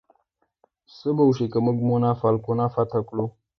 څه به وشي که موږ مونافالکانو فتح کړو؟